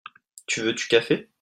Tu veux tu café ?